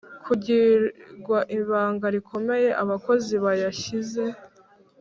kugirwa ibanga rikomeye Abakozi bayashyize